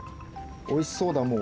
おいしそうだもう。